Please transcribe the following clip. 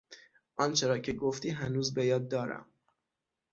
آنچه را که گفتی هنوز به یاد دارم.